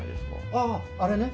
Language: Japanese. あああれね。